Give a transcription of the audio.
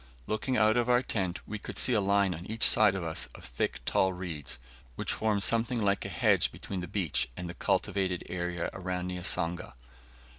Looking out of our tent, we could see a line on each side of us of thick tall reeds, which form something like a hedge between the beach and the cultivated area around Niasanga.